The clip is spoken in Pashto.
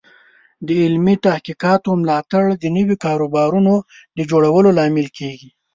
د علمي تحقیقاتو ملاتړ د نوي کاروبارونو د جوړولو لامل کیږي.